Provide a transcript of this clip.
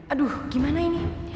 aduh gimana ini